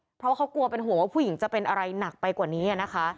เพราะว่าเขากลัวเป็นห่วงว่าผู้หญิงจะเป็นอะไรหนักไปกว่านี้นะคะ